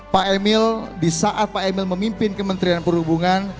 pak emil di saat pak emil memimpin kementerian perhubungan